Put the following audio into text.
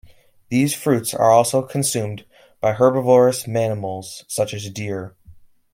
These fruits are also consumed by herbivorous mammals such as deer.